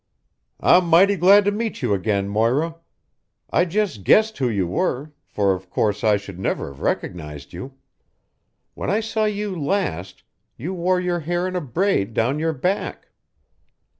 "I'm mighty glad to meet you again, Moira. I just guessed who you were, for of course I should never have recognized you. When I saw you last, you wore your hair in a braid down your back."